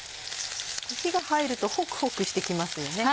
火が入るとホクホクしてきますよね。